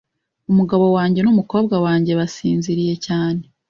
Umugabo wanjye n'umukobwa wanjye basinziriye cyane. .